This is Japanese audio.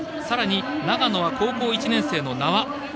さらに、長野は高校１年生の名和。